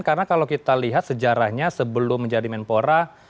karena kalau kita lihat sejarahnya sebelum menjadi menpora